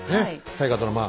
大河ドラマ